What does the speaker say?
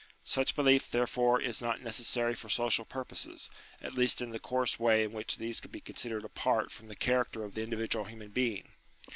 Such belief, therefore, is not necessary for social purposes, at least in the coarse way in which these can be considered apart from the character of the individual human being.